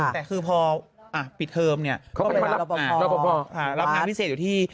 แต่คือพอปิดเทอมเขาก็จะมารับความพิเศษอยู่ที่